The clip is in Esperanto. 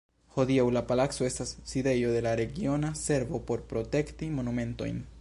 Hodiaŭ la palaco estas sidejo de la Regiona Servo por Protekti Monumentojn.